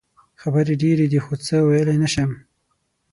خبرې ډېرې دي خو څه ویلې نه شم.